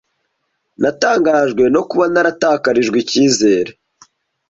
Natangajwe no kuba naratakarijwe icyizere.